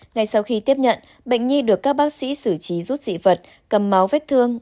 ngay sau khi tiếp nhận bệnh nhi được các bác sĩ xử trí rút dị vật cầm máu vết thương